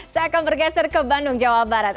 saya akan bergeser ke bandung jawa barat